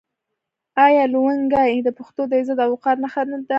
آیا لونګۍ د پښتنو د عزت او وقار نښه نه ده؟